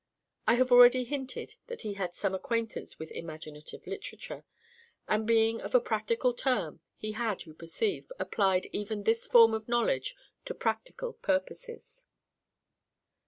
(I have already hinted that he had some acquaintance with imaginative literature; and being of a practical turn, he had, you perceive, applied even this form of knowledge to practical purposes.)